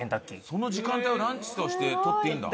その時間帯はランチとして取っていいんだ。